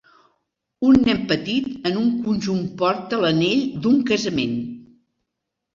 Un nen petit en un conjunt porta l'anell d'un casament.